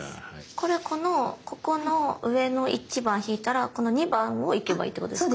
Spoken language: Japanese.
これこのここの上の１番引いたらこの２番を行けばいいってことですか？